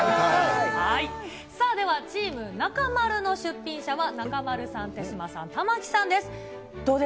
さあ、ではチーム中丸の出品者は、中丸さん、手嶋さん、玉城さんです。